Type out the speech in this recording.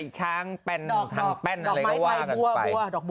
ช้างแปอะไรก็ว่า